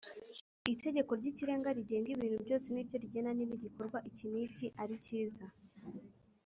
itegeko ry’ikirenga rigenga ibintu byose ni ryo rigena niba igikorwa iki n’iki ari cyiza